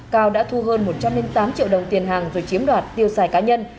cao đã thu hơn một trăm linh tám triệu đồng tiền hàng rồi chiếm đoạt tiêu xài cá nhân